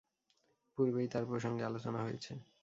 পূর্বেই তার প্রসঙ্গে আলোচনা হয়েছে।